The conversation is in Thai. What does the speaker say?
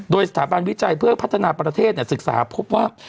โดยสถาบันวิจัยเพื่อพัฒนาประเทศศึกษาพบว่า